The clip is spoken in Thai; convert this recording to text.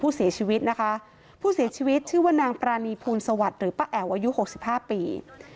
ผู้เสียชีวิตชื่อนางปรานีพูนสวัสดิ์หรือป้าแอ๋วอายุ๖๕ปี